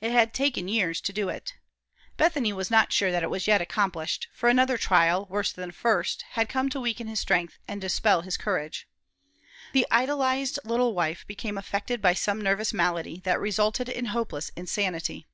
It had taken years to do it. Bethany was not sure that it was yet accomplished, for another trial, worse than the first, had come to weaken his strength and dispel his courage. The idolized little wife became affected by some nervous malady that resulted in hopeless insanity.